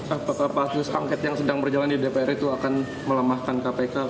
apakah pansus angket yang sedang berjalan di dpr itu akan melemahkan kpk